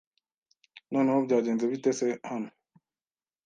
Noneho byagenze bite se hano?